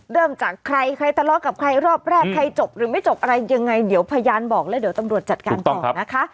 เริ่มจากใครใครทะเลาะกับใครรอบแรกใครจบหรือไม่จบอะไรยังไงเดี๋ยวพยานบอกแล้วเดี๋ยวตำรวจจัดการต่อนะคะ